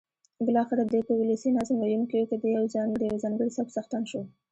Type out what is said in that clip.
بالاخره دی په ولسي نظم ویونکیو کې د یوه ځانګړي سبک څښتن شو.